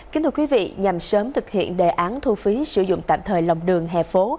kính thưa quý vị nhằm sớm thực hiện đề án thu phí sử dụng tạm thời lòng đường hè phố